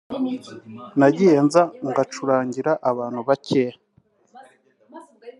nagiye nza ngacurangira abantu bake